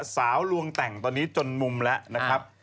สาวลวงแต่งตอนนี้จนมุมแล้วนะครับ